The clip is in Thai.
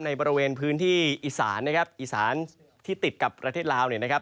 ในบริเวณพื้นที่อีสานนะครับอีสานที่ติดกับประเทศลาวเนี่ยนะครับ